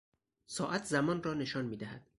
ساعت زمان را نشان میدهد.